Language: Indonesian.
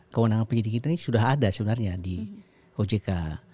kewenangan penyidik kita ini sudah ada sebenarnya di ojk